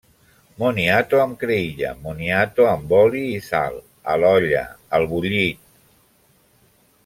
Moniato amb creïlla, moniato amb oli i sal, a l’olla, al bullit…